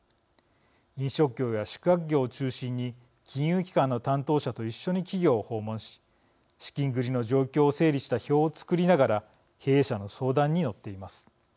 飲食業や宿泊業を中心に金融機関の担当者と一緒に企業を訪問し資金繰りの状況を整理した表を作りながら経営者の相談に乗っています。